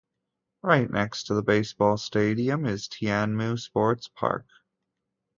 Right next to the baseball stadium is Tianmu Sports Park.